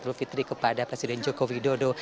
jadi kepada presiden joko widodo